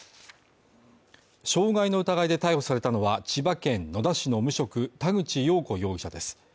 傷害の疑いで逮捕されたのは千葉県野田市の無職田口よう子容疑者です。